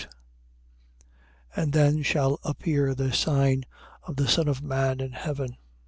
And then shall appear the sign of the Son of man in heaven.